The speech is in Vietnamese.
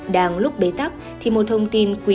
đang lúc bế tắc thì một thông tin quý